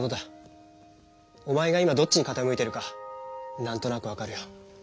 おまえが今どっちにかたむいてるかなんとなくわかるよ。